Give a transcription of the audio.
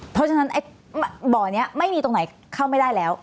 เพราะฉะนั้นบ่อนี้ไม่มีตรงไหนเข้าไม่ได้แล้ว